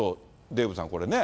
デーブさん、これね。